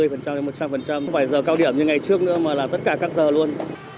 không phải giờ cao điểm như ngày trước nữa mà là tất cả các giờ luôn